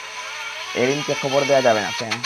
এরিনকে খবর দেয়া যাবে না স্যান।